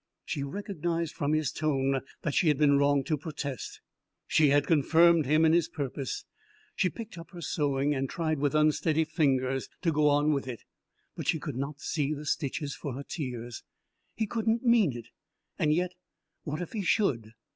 She recognized from his tone that she had been wrong to protest; she had confirmed him in his purpose. She picked up her sewing and tried with unsteady fingers to go on with it, but she could not see the stitches for her tears. He couldn't mean it and yet, what if he should?